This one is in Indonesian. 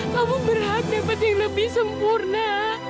kamu berhak dapat yang lebih sempurna